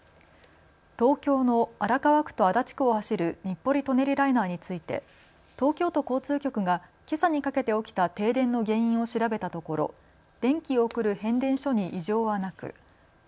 東京の荒川区と足立区を走る日暮里・舎人ライナーについて東京都交通局がけさにかけて起きた停電の原因を調べたところ電気を送る変電所に異常はなく都